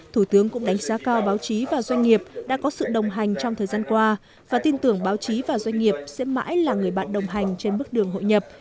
thủ tướng cũng đánh giá cao báo chí và doanh nghiệp đã có sự đồng hành trong thời gian qua và tin tưởng báo chí và doanh nghiệp sẽ mãi là người bạn đồng hành trên bước đường hội nhập